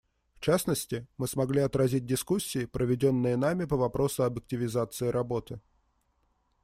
В частности, мы смогли отразить дискуссии, проведенные нами по вопросу об активизации работы.